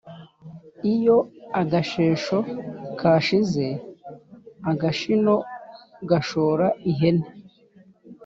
lyo agashesho kashize agashino gashora ihene.